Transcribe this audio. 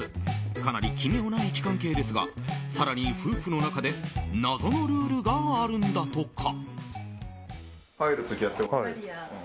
かなり奇妙な位置関係ですが更に、夫婦の中で謎のルールがあるんだとか。